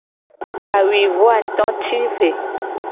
Kawuivoato ti ve.